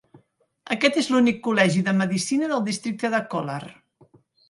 Aquest és l'únic col·legi de medicina del districte de Kolar.